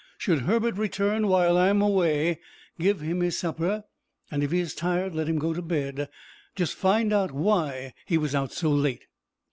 Should Herbert return while I am away, give him his supper, and, if he is tired, let him go to bed, just finding out why he was out so late."